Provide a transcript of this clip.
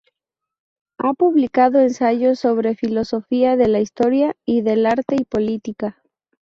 Ha publicado ensayos sobre filosofía de la Historia y del Arte y Política.